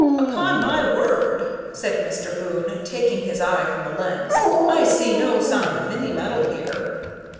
"Upon my word," said Mr. Boon, taking his eye from the lens, "I see no sign of any metal here!"